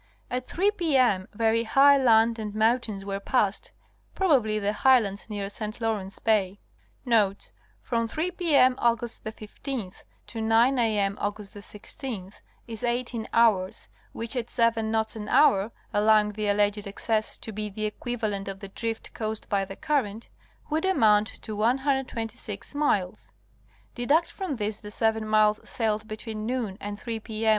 At three p. m. very high land and mountains were passed (proba bly the highlands near St. Lawrence Bay). Notes.—From 3 Pp. M. Aug. 15th to 9 A. M. Aug. 16th is 18 hours, which at seven knots an hour (allowing the alleged excess to be the equivalent of the drift caused by the current) would amount to 126 miles. Deduct from this the seven miles sailed between noon and 3 P. M.